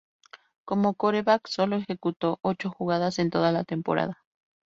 Como quarterback solo ejecutó ocho jugadas en toda la temporada.